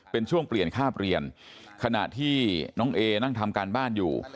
เป็นช่วงเปลี่ยนคาบเรียนขณะที่น้องเอนั่งทำการบ้านอยู่